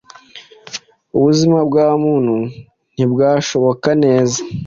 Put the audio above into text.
ubuzima bwa muntu ntibwashoboka neza.